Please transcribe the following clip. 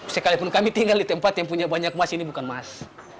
sekalipun kami tinggal di tempat yang punya banyak emas ini bukan emas